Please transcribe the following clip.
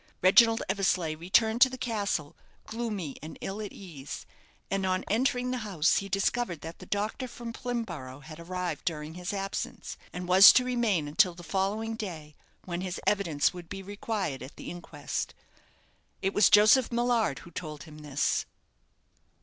Reginald Eversleigh returned to the castle, gloomy and ill at ease, and on entering the house he discovered that the doctor from Plimborough had arrived during his absence, and was to remain until the following day, when his evidence would be required at the inquest. It was Joseph Millard who told him this.